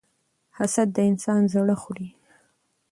حسد د انسان زړه خوري.